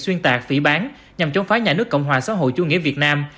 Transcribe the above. xuyên tạc phỉ bán nhằm chống phá nhà nước cộng hòa xã hội chủ nghĩa việt nam